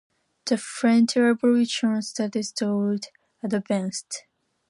The French Revolution shattered those advances.